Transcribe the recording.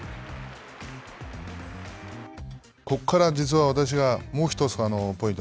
ここから実は私がもうひとつポイント。